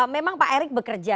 memang pak erick bekerja